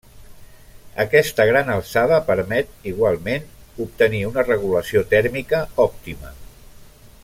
Aquesta gran alçada permet, igualment, obtenir una regulació tèrmica òptima.